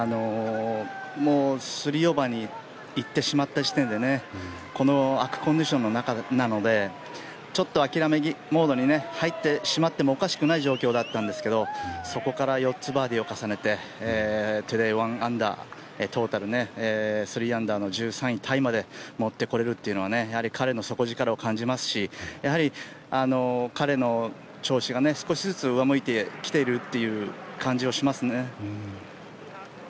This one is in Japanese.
もう３オーバーに行ってしまった時点でこの悪コンディションの中なのでちょっと諦めモードに入ってしまってもおかしくない状況だったんですがそこから４つバーディーを重ねてトゥデー１アンダートータル３アンダーの１３位タイまで持ってこれるっていうのは彼の底力を感じますしやはり彼の調子が少しずつ上向いてきているという感じがしますね。